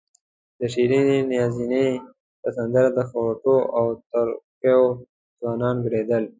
د شیرینې نازنینې پر سندره د خروټو او تره کیو ځوانان ګډېدل.